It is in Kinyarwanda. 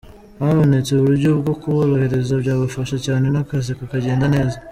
Habonetse uburyo bwo kuborohereza byabafasha cyane n’akazi kakagenda neza”.